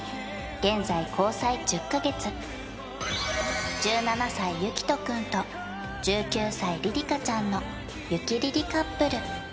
現在交際１０カ月１７歳ゆきとくんと１９歳りりかちゃんのゆきりりカップル